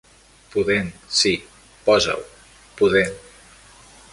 Pudent, sí, posa-ho: pudent.